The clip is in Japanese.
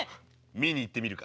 見に行ってみるか？